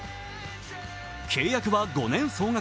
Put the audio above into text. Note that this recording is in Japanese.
契約は５年総額